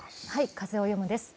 「風をよむ」です。